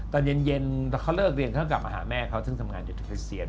ตอนเย็นเขาเลิกเรียนเขากลับมาหาแม่เขาซึ่งทำงานอยู่ที่คริสเซียน